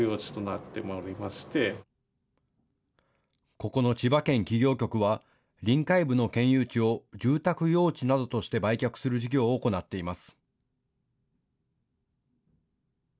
ここの千葉県企業局は臨海部の県有地を住宅用地などとして売却する事業を行っています。